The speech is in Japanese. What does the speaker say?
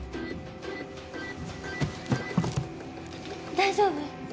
大丈夫？